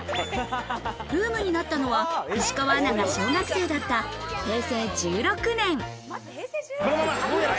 ブームになったのは石川アナが小学生だった平成１６年。